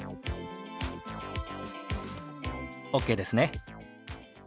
ＯＫですね。